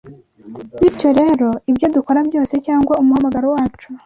Bityo rero, ibyo dukora byose cyangwa umuhamagaro wacu